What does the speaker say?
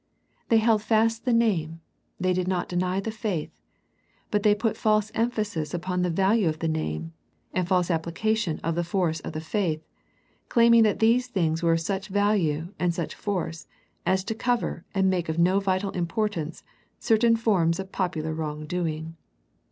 They held fast the name, they did not deny the faith, but they put false emphasis upon the value of the name, and false applica tion of the force of the faith, claiming that these things were of such value and such force as to cover and make of no vital importance certain forms of popular wrong doing.